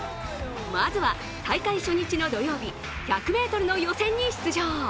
まずは、大会初日の土曜日１００ｍの予選に出場。